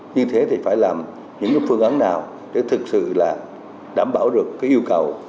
như thế thì phải làm những phương án nào để thực sự là đảm bảo được cái yêu cầu